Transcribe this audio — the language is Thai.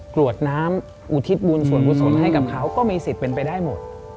กรวดน้ำอุทิศบุญส่วนกุศลให้กับเขาก็มีสิทธิ์เป็นไปได้หมด